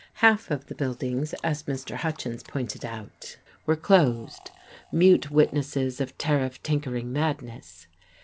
Half of the buildings, as Mr. Hutchins pointed out, were closed, mute witnesses of tariff tinkering madness.